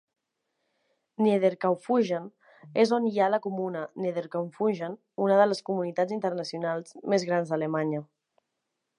Niederkaufungen és on hi ha la Comuna Niederkaufungen, una de les comunitats intencionals més grans d'Alemanya.